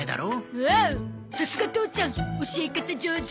おおさすが父ちゃん教え方上手。